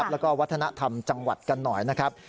แล้วก็วัฒนธรรมจังหวัดกันหน่อยนะครับ